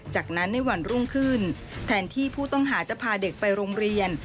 จากนั้นในวันรุ่งขึ้นแทนที่ผู้ต้องหาจะพาเด็กไปโรงเรียน